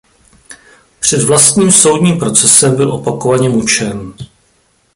Před vlastním soudním procesem byl opakovaně mučen.